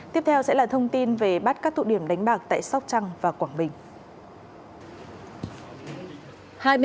tiếp theo sẽ là thông tin về bắt các tụ điểm đánh bạc tại sóc trăng và quảng bình